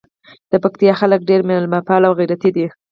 د پکتیکا خلګ ډېر میلمه پاله او غیرتي دي.